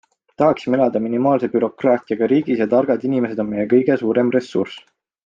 Tahaksime elada minimaalse bürokraatiaga riigis ja targad inimesed on meie kõige suurem ressurss.